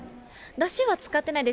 だしは使ってないんです。